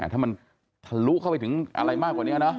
เอาไว้เหยียบเพื่อจะขยะตรงนี้